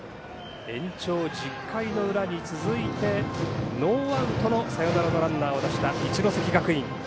延長１０回の裏に続いてノーアウトのサヨナラのランナーを出した一関学院。